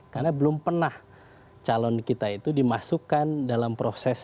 karena belum pernah calon kita itu dimasukkan dalam proses